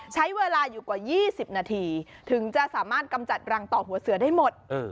ใช้เวลาอยู่กว่า๒๐นาทีถึงจะสามารถกำจัดรังต่อหัวเสือได้หมด